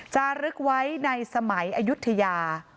จะลึกไว้ในสมัยอายุทยา